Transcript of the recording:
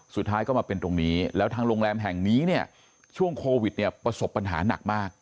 สุดท้ายก็มาเป็นตรงนี้แล้วทางโรงแรมแห่งนี้เนี่ยช่วงโควิดเนี่ยประสบปัญหาหนักมาก